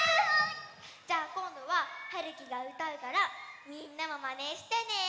じゃあこんどははるきがうたうからみんなもまねしてね！